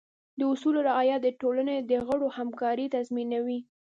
د اصولو رعایت د ټولنې د غړو همکارۍ تضمینوي.